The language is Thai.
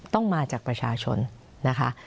ต้องมาจากประชาชนนะคะ